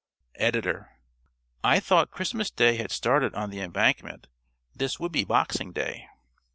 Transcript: (~Editor.~ _I thought Christmas Day had started on the Embankment. This would be Boxing Day.